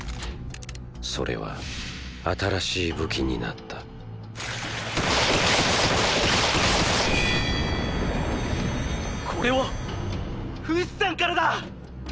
それは新しい武器になったこれは⁉フシさんからだ！